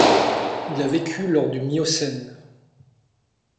Il a vécu lors du Miocène.